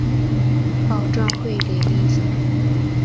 保证会给利息